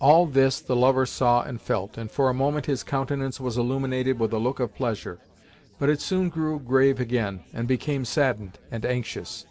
All this the lover saw and felt, and for a moment his countenance was illuminated with a look of pleasure, but it soon grew grave again, and became saddened and anxious.